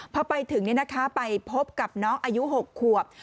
พอไปถึงไปพบกับน้องอายุ๖ขวบ